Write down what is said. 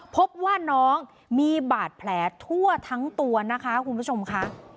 พบว่าน้องมีบาดแผลทั่วทั้งตัวนะคะคุณผู้ชมค่ะ